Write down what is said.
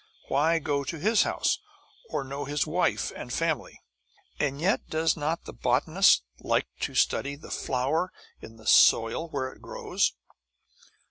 Why go to his house, or know his wife and family?" And yet does not the botanist like to study the flower in the soil where it grows?